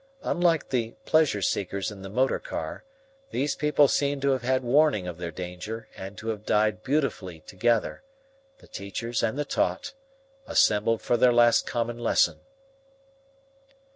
Unlike the pleasure seekers in the motor car, these people seemed to have had warning of their danger and to have died beautifully together, the teachers and the taught, assembled for their last common lesson.